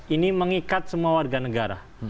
ini mengikat semua warga negara